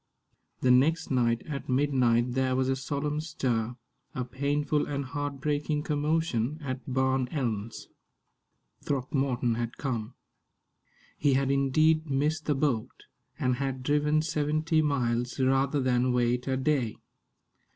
The next night at midnight there was a solemn stir, a painful and heart breaking commotion, at Barn Elms. Throckmorton had come. He had indeed missed the boat, and had driven seventy miles rather than wait a day.